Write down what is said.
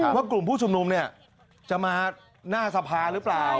เพราะกลุ่มผู้ชมรุมจะมาหน้าสภาหรือเปล่า